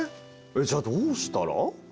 じゃあどうしたら？